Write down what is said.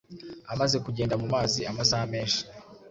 Amaze kugenda mu mazi amasaha menshi